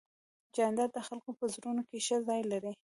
جانداد د خلکو په زړونو کې ښه ځای لري.